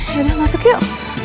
yaudah masuk yuk